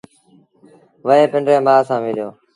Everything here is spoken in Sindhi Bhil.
وهي پنڊريٚ مآ سآݩ مليو